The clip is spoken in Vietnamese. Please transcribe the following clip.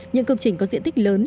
những công trình có diện tích lớn